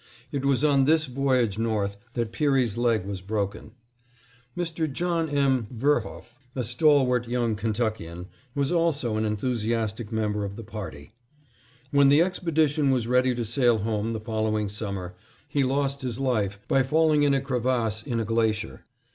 It was on this voyage north that Peary's leg was broken. Mr. John M. Verhoeff, a stalwart young Kentuckian, was also an enthusiastic member of the party. When the expedition was ready to sail home the following summer, he lost his life by falling in a crevasse in a glacier.